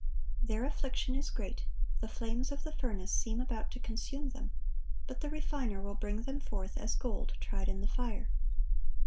Their affliction is great, the flames of the furnace seem about to consume them; but the Refiner will bring them forth as gold tried in the fire.